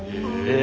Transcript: え。